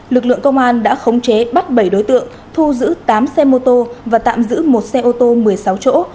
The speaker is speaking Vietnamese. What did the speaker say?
lực lượng công an đã khống chế bắt bảy đối tượng thu giữ tám xe mô tô và tạm giữ một xe ô tô một mươi sáu chỗ